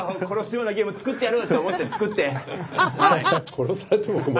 殺されても困る。